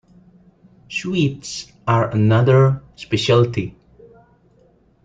Sweets are another specialty.